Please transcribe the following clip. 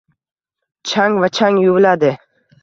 Chang va chang yuviladi